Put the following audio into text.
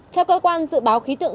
theo cơ quan dự báo khí tượng